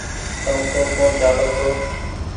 تم ڪوٚڻ ڪوٚڻ چآلو ڇو